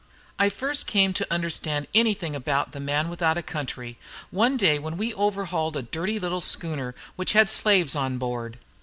I first came to understand anything about "the man without a country" one day when we overhauled a dirty little schooner which had slaves on board.